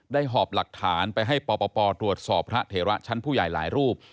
หอบหลักฐานไปให้ปปตรวจสอบพระเถระชั้นผู้ใหญ่หลายรูป